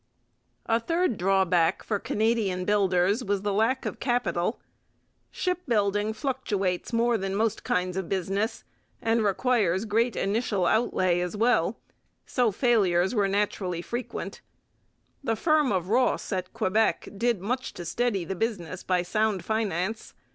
A third drawback for Canadian builders was the lack of capital. Shipbuilding fluctuates more than most kinds of business, and requires great initial outlay as well; so failures were naturally frequent. The firm of Ross at Quebec did much to steady the business by sound finance.